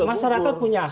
masyarakat punya hak